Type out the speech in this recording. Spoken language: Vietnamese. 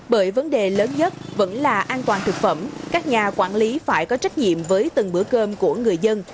bởi vấn đề lớn nhất vẫn là an toàn thực phẩm các nhà quản lý phải có trách nhiệm với từng bữa cơm của người dân